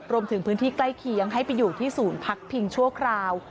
รวมถึงพื้นที่ใกล้เคียงให้ไปอยู่ที่ศูนย์พักพิงชั่วคราว